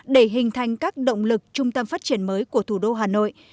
để hình thành các động lực trung tâm phát triển mới của thủ đô hà nội